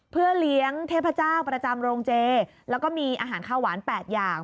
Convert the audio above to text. เพื่อเลี้ยงเทพเจ้าประจำโรงเจแล้วก็มีอาหารข้าวหวาน๘อย่าง